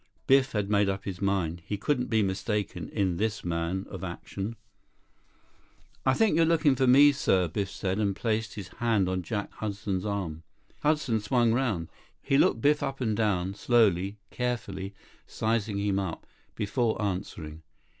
Biff had made up his mind. He couldn't be mistaken in this man of action. 37 "I think you're looking for me, sir," Biff said and placed his hand on Jack Hudson's arm. Hudson swung around. He looked Biff up and down, slowly, carefully, sizing him up, before answering.